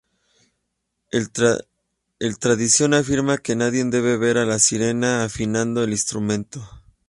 El tradición afirma que nadie debe ver a la sirena afinando el instrumento.